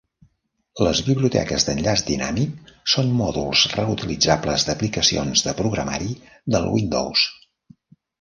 Les biblioteques d'enllaç dinàmic són mòduls reutilitzables d'aplicacions de programari del Windows.